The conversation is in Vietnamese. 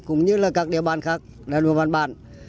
cũng như là các địa bàn khác địa bàn bản